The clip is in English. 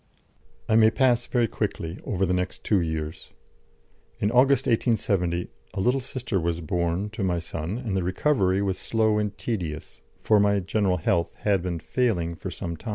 I may pass very quickly over the next two years. In August, 1870, a little sister was born to my son, and the recovery was slow and tedious, for my general health had been failing for some time.